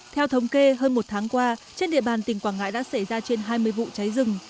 theo thống kê hơn một tháng qua trên địa bàn tỉnh quảng ngãi đã xảy ra trên hai mươi vụ cháy rừng